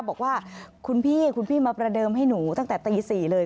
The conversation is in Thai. บอกว่าคุณพี่คุณพี่มาประเดิมให้หนูตั้งแต่ตี๔เลย